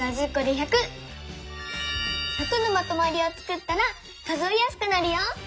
１００のまとまりをつくったら数えやすくなるよ！